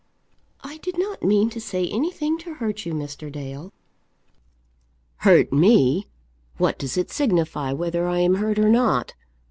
"I did not mean to say anything to hurt you, Mr. Dale." "Hurt me! What does it signify whether I am hurt or not?